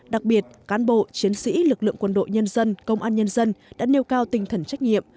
đặc biệt cán bộ chiến sĩ lực lượng quân đội nhân dân công an nhân dân đã nêu cao tinh thần trách nhiệm